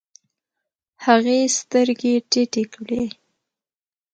هغې سترګې ټيټې کړې.